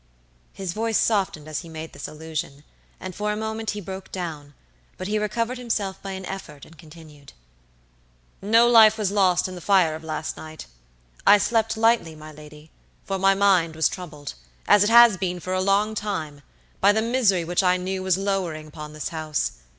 His voice softened as he made this allusion, and for a moment he broke down, but he recovered himself by an effort and continued: "No life was lost in the fire of last night. I slept lightly, my lady, for my mind was troubled, as it has been for a long time, by the misery which I knew was lowering upon this house.